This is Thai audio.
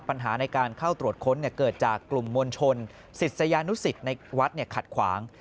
ปัญหาในการเข้าตรวจค้นเกิดจากกลุ่มมวลชนศิษยานุสิตในวัดขัดขวาง